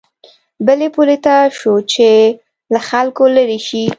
بلې پولې ته شو چې له خلکو لېرې شي.